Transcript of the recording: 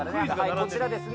こちらですね